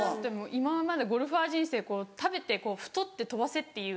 今までゴルファー人生食べて太って飛ばせっていう。